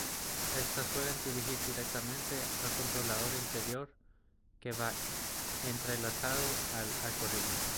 Estas suelen dirigir directamente al controlador interior que va entrelazado al algoritmo.